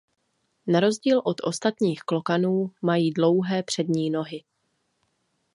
Na rozdíl od ostatních klokanů mají dlouhé přední nohy.